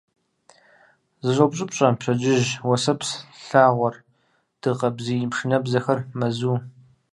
ЗэщӀопщӀыпщӀэ пщэдджыжь уасэпс лъагъуэр, дыгъэ бзий пшынэбзэхэр мэзу.